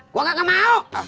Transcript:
gue gak mau